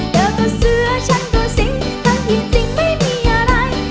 เธอก็เสื้อฉันตัวสิงทั้งที่จริงไม่มีอะไร